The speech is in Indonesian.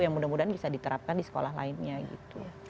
yang mudah mudahan bisa diterapkan di sekolah lainnya gitu